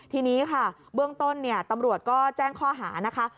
ทีนี้ค่ะเบื้องต้นเนี่ยตำรวจก็แจ้งข้อหานะคะ